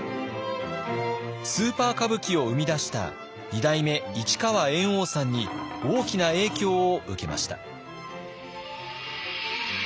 スーパー歌舞伎を生み出した二代目市川猿翁さんに大きな影響を受けました。